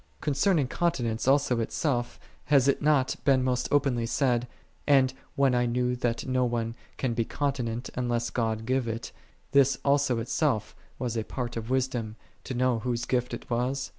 '' 6 43. Concerning continence also itself hath it not been most openly said, "And when I knew that no one can be continent unless God give it, this also itself was a part of wisdom, to know whose gift it was?"